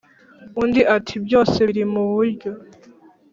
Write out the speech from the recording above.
undi ati"byose birimuburyo